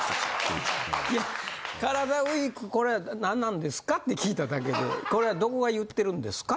いやカラダＷＥＥＫこれ何なんですかって聞いただけでこれはどこが言ってるんですか？